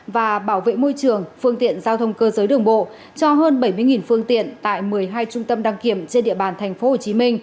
và bảo vệ môi trường phương tiện giao thông cơ giới đường bộ cho hơn bảy mươi phương tiện tại một mươi hai trung tâm đăng kiểm trên địa bàn tp hcm